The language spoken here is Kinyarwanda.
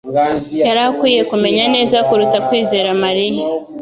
yari akwiye kumenya neza kuruta kwizera Mariya.